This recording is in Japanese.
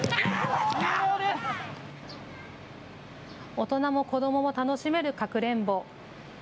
大人も子どもも楽しめるかくれんぼ。